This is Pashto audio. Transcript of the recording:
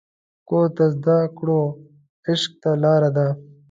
کورس د زده کړو عشق ته لاره ده.